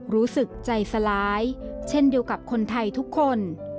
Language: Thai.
รู้สึกใจสลายเช่นเดียวกับคนไทยทุกคน